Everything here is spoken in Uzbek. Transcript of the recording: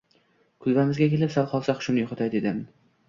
Kulbamizga kelib, sal qolsa hushimni yo`qotay dedim